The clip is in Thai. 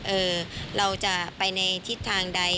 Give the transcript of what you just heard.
เราจะไปในทิศทางใด